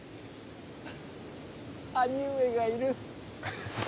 兄上がいる。